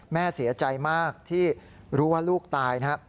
แม่เสียใจมากที่รู้ว่าลูกตายนะครับ